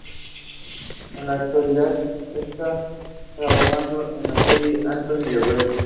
En la actualidad está trabajando en la serie "Anatomía de Grey".